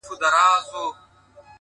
کلونه پس چي درته راغلمه ته هغه وې خو؛